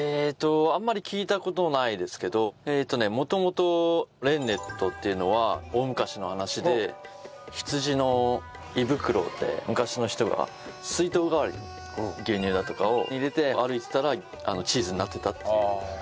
あんまり聞いた事ないですけど元々レンネットっていうのは大昔の話で羊の胃袋で昔の人が水筒代わりに牛乳だとかを入れて歩いてたらチーズになってたっていう。